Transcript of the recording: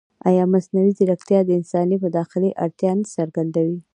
ایا مصنوعي ځیرکتیا د انساني مداخلې اړتیا نه څرګندوي؟